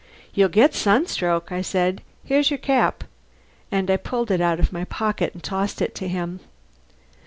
"You'll get sunstroke," I said. "Here's your cap." And I pulled it out of my pocket and tossed it to him.